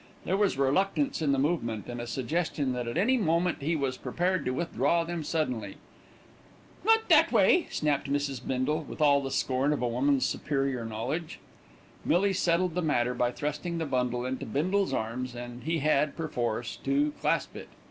There was reluctance in the movement, and a suggestion that at any moment he was prepared to withdraw them suddenly. "Not that way," snapped Mrs. Bindle, with all the scorn of a woman's superior knowledge. Millie settled the matter by thrusting the bundle into Bindle's arms and he had, perforce, to clasp it.